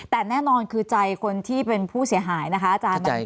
แต่แน่นอนคือใจคนที่เป็นผู้เสียหายนะคะอาจารย์